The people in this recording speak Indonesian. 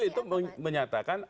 yusril itu menyatakan